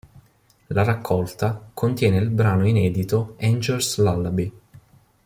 La raccolta contiene il brano inedito "Angel's Lullaby".